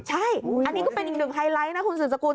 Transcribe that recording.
ใช่อันนี้ก็เป็นอีกหนึ่งไฮไลท์นะคุณสุดสกุล